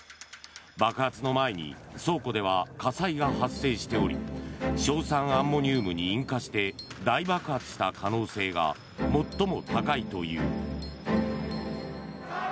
爆発の前に倉庫では火災が発生しており硝酸アンモニウムに引火して大爆発した可能性が最も高いという。